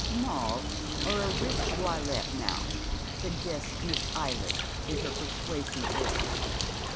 Mauve, or a rich voylet, now," sng gests lliss Eyiett, in hef persuasive voice.